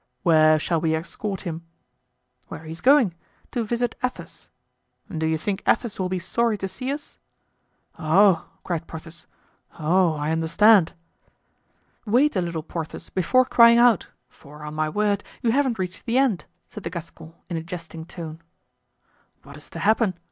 "Where shall we escort him?" "Where he is going—to visit Athos. Do you think Athos will be sorry to see us?" "Oh!" cried Porthos, "oh! I understand." "Wait a little, Porthos, before crying out; for, on my word, you haven't reached the end," said the Gascon, in a jesting tone. "What is to happen?"